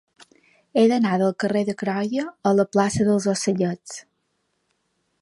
He d'anar del carrer de Croia a la plaça dels Ocellets.